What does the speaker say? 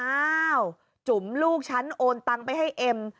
อ้าวจุ๋มลูกฉันโอนตังไปให้เอ็ม